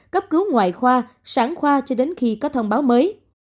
cấp cứu ngoại khoa sản khoa cho đến khi có thông báo mới